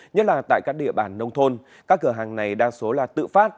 nhất là tại các địa bàn nông thôn các cửa hàng này đa số là tự phát